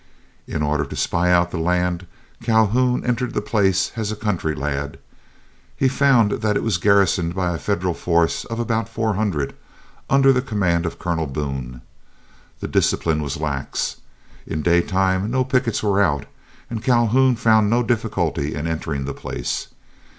In order to spy out the land, Calhoun entered the place as a country lad. He found that it was garrisoned by a Federal force of about four hundred, under the command of Colonel Boone. The discipline was lax. In the daytime no pickets were out, and Calhoun found no difficulty in entering the place.